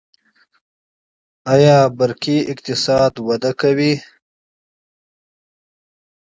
آیا ډیجیټل اقتصاد وده کوي؟